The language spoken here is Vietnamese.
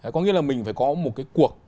có nghĩa là mình phải có một cuộc